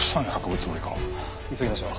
急ぎましょう。